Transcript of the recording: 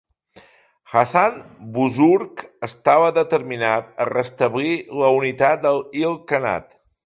Hasan Buzurg estava determinat a restablir la unitat a l'Il-Khanat.